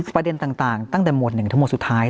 ประเด็นต่างตั้งแต่หมวด๑ทั้งหมดสุดท้าย